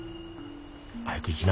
早く行きな。